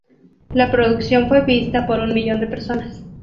La producción fue vista por un millón de personas.